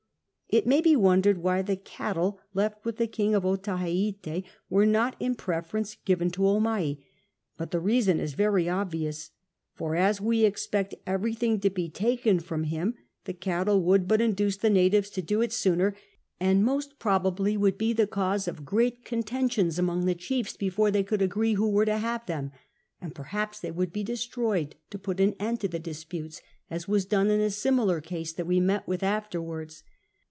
It may be wondered why llie cattle left with the King of Otaheite were not in preference given to Omai; but the reason is very obvious ; for as we expect everytliing to be ttikcn from him, the cattle would but induce the natives to do it sooner, and most probably would be the cause of grent contentions among tlie chiefs before they could {^i*ee who were to have them, and perhaps they would bo destroyed to jnit an end to the disputes, as was done in a similar case that we met with afterwards.